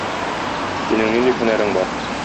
Синең нинди һөнәрең бар?